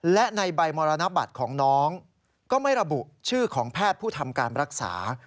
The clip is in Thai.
และในใบมรณบัตรของน้องก็ไม่ระบุชื่อของแพทย์ผู้ทำการรักษา